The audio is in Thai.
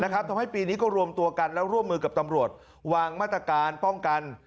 ทำให้ปีนี้ก็รวมตัวกันและร่วมมือกับตำรวจวางมาตรการป้องกัน